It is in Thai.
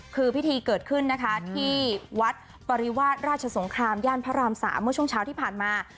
คือพิธีเกิดขึ้นนะคะที่วัดปริวาสราชสงครามย่านพระราม๓เมื่อช่วงเช้าที่ผ่านมา